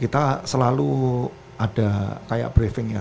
kita selalu ada kayak briefing ya